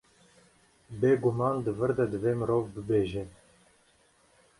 Bêguman di vir de divê mirov bibêje.